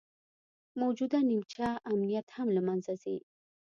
موجوده نیمچه امنیت هم له منځه ځي